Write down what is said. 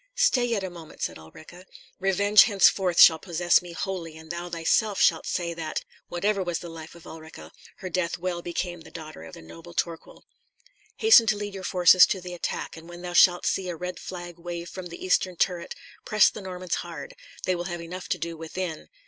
"Stay yet a moment!" said Ulrica. "Revenge henceforth shall possess me wholly, and thou thyself shalt say that, whatever was the life of Ulrica, her death well became the daughter of the noble Torquil. Hasten to lead your forces to the attack, and when thou shalt see a red flag wave from the eastern turret, press the Normans hard; they will have enough to do within.